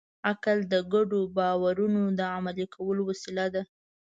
عقل د ګډو باورونو د عملي کولو وسیله ده.